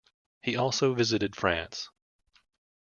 He also visited France.